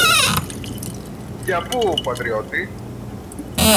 Για πού, πατριώτη;